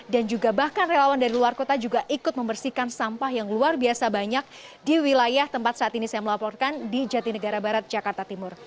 dan juga bahkan relawan dari luar kota juga ikut membersihkan sampah yang luar biasa banyak di wilayah tempat saat ini saya melaporkan di jatinegara barat jakarta timur